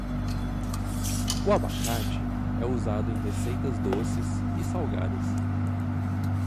O abacate é usado em receitas doces e salgadas.